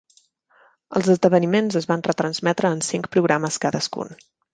Els esdeveniments es van retransmetre en cinc programes cadascun.